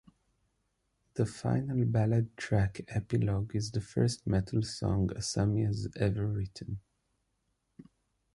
The final ballad track "Epilogue" is the first metal song Asami has ever written.